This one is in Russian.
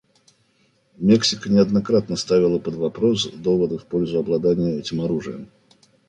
Мексика неоднократно ставила под вопрос доводы в пользу обладания этим оружием.